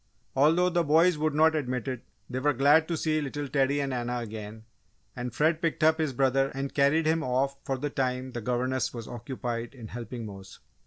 '" Although the boys would not admit it, they were glad to see little Teddy and Anna again, and Fred picked up his brother and carried him off for the time the governess was occupied in helping Mose.